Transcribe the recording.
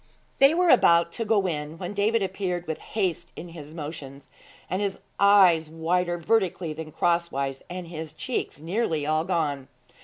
They were about to go in, when David appeared with haste in his motions, his eyes wider vertically than crosswise, and his cheeks nearly all gone.